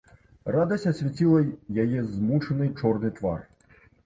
Радасць асвяціла яе змучаны чорны твар.